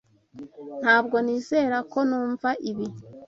Ntabwo nizera ko numva ibi.